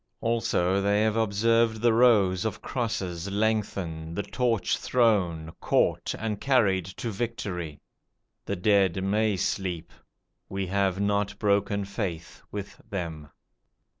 Also they have observed the rows of crosses lengthen, the torch thrown, caught, and carried to victory. The dead may sleep. We have not broken faith with them.